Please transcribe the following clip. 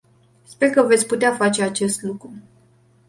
Sper că veți putea face acest lucru.